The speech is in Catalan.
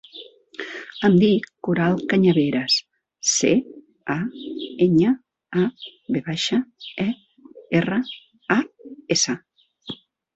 Em dic Coral Cañaveras: ce, a, enya, a, ve baixa, e, erra, a, essa.